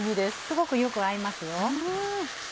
すごくよく合いますよ。